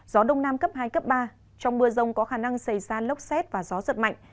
gió đông nam cấp hai cấp ba trong mưa rông có khả năng xảy ra lốc xét và gió giật mạnh